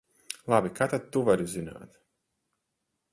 Labi, kā tad tu vari zināt?